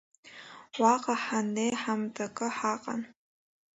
Уаҟа ҳаннеи ҳамҭакы ҳаҟан.